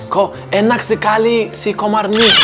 kok enak sekali si komar ini